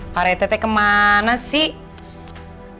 pak ceta kemana sih